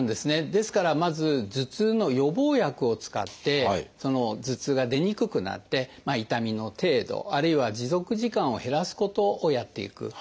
ですからまず頭痛の予防薬を使って頭痛が出にくくなって痛みの程度あるいは持続時間を減らすことをやっていく。